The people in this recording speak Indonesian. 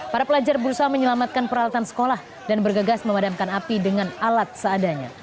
para pelajar berusaha menyelamatkan peralatan sekolah dan bergegas memadamkan api dengan alat seadanya